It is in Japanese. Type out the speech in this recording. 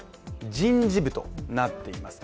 人事部となっています。